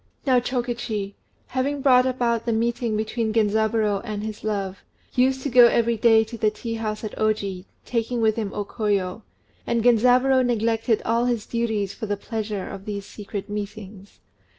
Now Chokichi, who had brought about the meeting between Genzaburô and his love, used to go every day to the tea house at Oji, taking with him O Koyo; and Genzaburô neglected all his duties for the pleasure of these secret meetings.